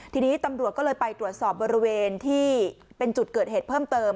ทีนี้ตำรวจก็เลยไปตรวจสอบบริเวณที่เป็นจุดเกิดเหตุเพิ่มเติม